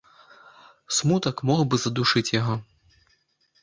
Смутак мог бы задушыць яго.